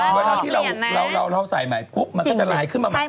เวลาที่เราใส่ใหม่ปุ๊บมันก็จะลายขึ้นมาใหม่